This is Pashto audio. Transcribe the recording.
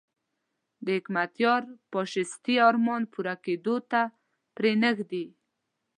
د حکمتیار فاشیستي ارمان پوره کېدو ته پرې نه ږدي.